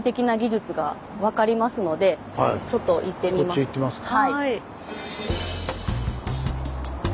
こっちへ行ってみますか。